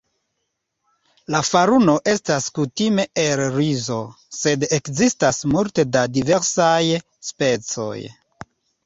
La faruno estas kutime el rizo, sed ekzistas multe da diversaj specoj.